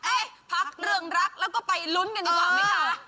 พักเรื่องรักแล้วก็ไปลุ้นกันดีกว่าไหมคะ